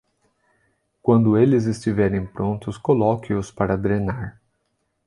Quando eles estiverem prontos, coloque-os para drenar.